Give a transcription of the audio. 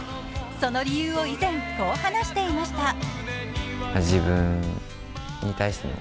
その理由を以前こう話していました。